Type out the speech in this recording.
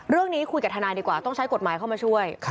เรื่องนี้คุยกับทนายดีกว่าต้องใช้กฎหมายเข้ามาช่วย